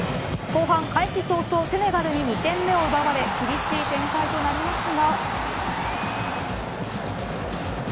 後半開始早々セネガルに２点目を奪われ厳しい展開となりますが。